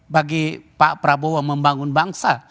bagi pak prabowo membangun bangsa